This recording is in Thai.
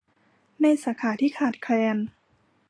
ในสาขาที่ขาดแคลน